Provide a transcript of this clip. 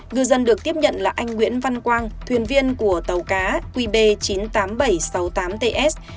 ngư dân được tiếp nhận là anh nguyễn văn quang thuyền viên của tàu cá qb chín mươi tám nghìn bảy trăm sáu mươi tám ts